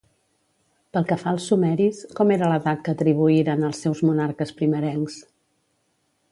Pel que fa als sumeris, com era l'edat que atribuïren als seus monarques primerencs?